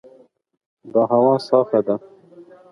دا هوا صافه ده.